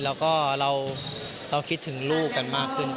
แล้วก็เราคิดถึงลูกกันมากขึ้น